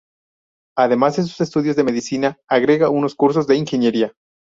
Además de sus estudios de medicina, agrega unos cursos de ingeniería.